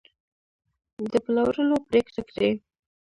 د پلورلو پرېکړه کړې